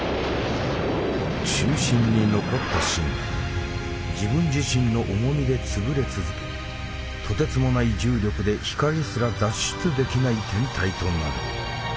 中心に残った芯が自分自身の重みでつぶれ続けとてつもない重力で光すら脱出できない天体となる。